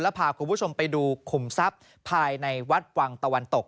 พาคุณผู้ชมไปดูขุมทรัพย์ภายในวัดวังตะวันตก